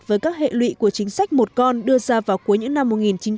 với các hệ lụy của chính sách một con đưa ra vào cuối những năm một nghìn chín trăm bảy mươi